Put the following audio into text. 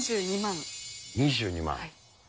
２２万。